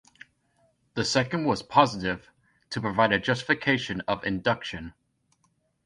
The second was positive - to provide a justification of induction.